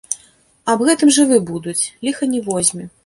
Аб гэтым жывы будуць, ліха не возьме.